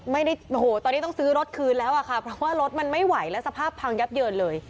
ไม่ได้โอ้โหตอนนี้ต้องซื้อรถคืนแล้วอะค่ะเพราะว่ารถมันไม่ไหวแล้วสภาพพังยับเยินเลย